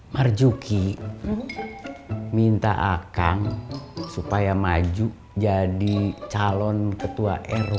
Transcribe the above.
marjuki minta akang supaya maju jadi calon ketua rw